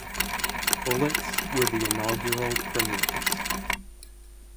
Bullets were the inaugural premiers.